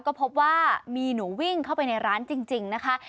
ก็พบว่ามีหนูวิ่งเข้าไปในร้านจริงนะคะ